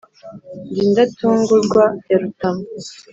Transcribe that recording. n'indatungurwa ya rutamu